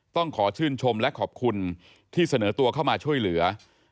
ต้องขอชื่นชมและขอบคุณที่เสนอตัวเข้ามาช่วยเหลือ